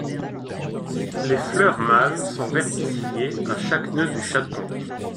Les fleurs mâles sont verticillées à chaque nœud du chaton.